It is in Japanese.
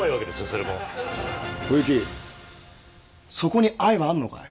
それも小雪そこに愛はあるのかい？